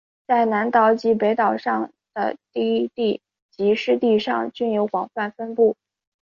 在南岛及北岛上的低地及湿地上均有广泛分布。